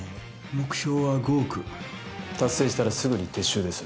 目標は５億達成したらすぐに撤収です